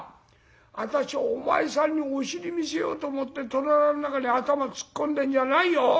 私お前さんにお尻見せようと思って戸棚の中に頭突っ込んでんじゃないよ。